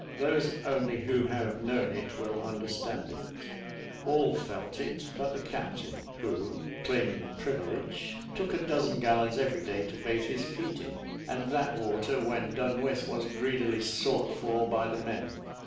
Those only who have known it will understand it. All felt it but the captain; who, claiming privilege, took a dozen gallons every day to bathe his feet in, and that water, when done with, was greedily sought for by the men.